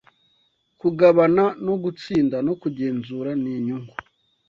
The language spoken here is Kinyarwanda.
Kugabana no gutsinda no kugenzura ni inyungu